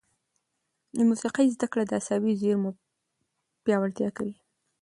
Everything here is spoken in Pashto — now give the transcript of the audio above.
د موسیقي زده کړه د عصبي زېرمو پیاوړتیا کوي.